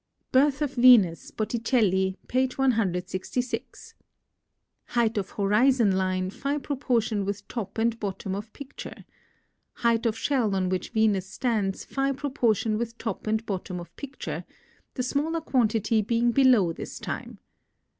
"Birth of Venus," Botticelli, page 166 [Transcribers Note: Plate XXXVII]. Height of horizon line Phi proportion with top and bottom of picture. Height of shell on which Venus stands Phi proportion with top and bottom of picture, the smaller quantity being below this time.